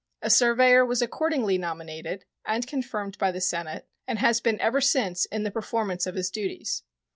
A surveyor was accordingly nominated, and confirmed by the Senate, and has been ever since in the performance of his duties.